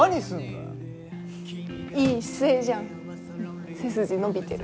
いい姿勢じゃん背筋伸びてる。